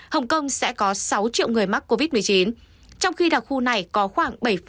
hồng kông sẽ có sáu triệu người mắc covid một mươi chín trong khi đặc khu này có khoảng bảy